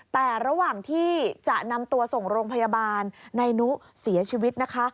แต่ระหว่างที่จะนำตัวส่งโรงพยาบาลนายนุเสียชีวิตนะคะ